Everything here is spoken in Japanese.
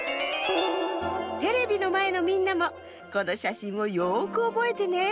テレビのまえのみんなもこのしゃしんをよくおぼえてね。